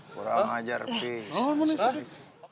kurang ajar pis